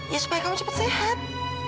ya supaya kamu cepat sehat